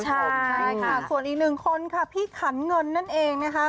ใช่ค่ะส่วนอีกหนึ่งคนค่ะพี่ขันเงินนั่นเองนะคะ